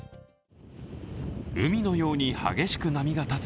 海のように激しく波が立つ